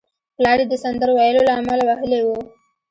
پلار یې د سندرو ویلو له امله وهلی و